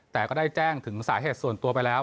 แต่ก็ได้แจ้งถึงสาเหตุส่วนตัวไปแล้ว